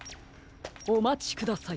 おまちください。